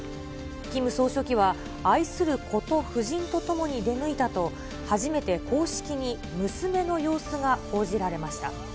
キム総書記は、愛する子と夫人と共に出向いたと、初めて公式に娘の様子が報じられました。